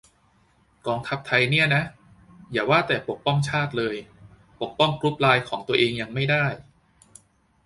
"กองทัพไทยเนี่ยนะ อย่าว่าแต่ปกป้องชาติเลย ปกป้องกรุ๊ปไลน์ของตัวเองยังไม่ได้"